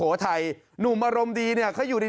โอ้ยน้ำแรงมากเลย